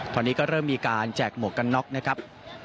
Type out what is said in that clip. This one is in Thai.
ตอนนี้ก็เริ่มมีการแจกหมวกกันน็อกนะครับ